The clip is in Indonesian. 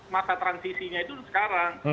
masa transisinya itu sekarang